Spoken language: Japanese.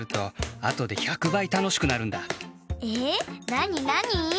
なになに？